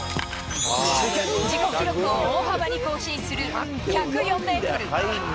自己記録を大幅に更新する１０４メートル。